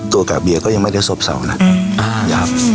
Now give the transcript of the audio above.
ตัวกากเบียร์ก็ยังไม่ได้ส้มนะ